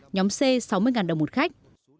nhóm c sáu mươi đồng một khách